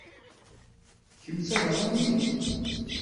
Kemm d tabeṛṛanit?